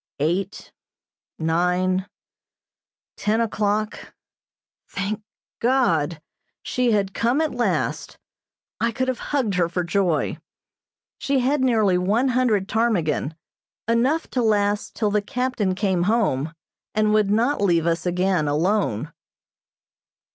Eight, nine, ten o'clock thank God! She had come at last. I could have hugged her for joy. She had nearly one hundred ptarmigan, enough to last till the captain came home, and would not leave us again alone.